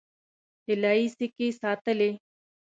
طلايي سکې ساتلې.